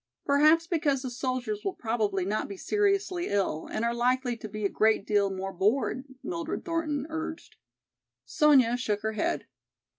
Perhaps because the soldiers will probably not be seriously ill and are likely to be a great deal more bored," Mildred Thornton urged. Sonya shook her head.